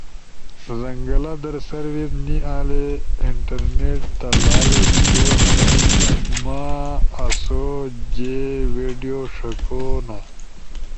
زنگلا در سروس نی آلی۔ انٹرنیٹ تا لالو سلو ہنی۔ مآسو جے ویڈیو ݜکونا،